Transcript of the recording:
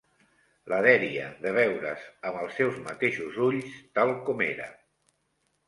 La dèria de veure's amb els seus mateixos ulls, tal com era